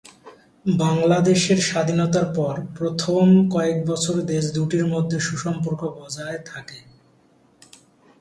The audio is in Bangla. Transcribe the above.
বাংলাদেশের স্বাধীনতার পর প্রথম কয়েক বছর দেশ দু'টির মধ্যে সুসম্পর্ক বজায় থাকে।